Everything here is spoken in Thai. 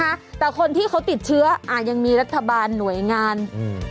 นะแต่คนที่เขาติดเชื้ออ่ายังมีรัฐบาลหน่วยงานอืม